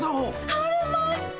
晴れました！